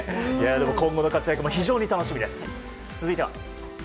今後の活躍も非常に楽しみです。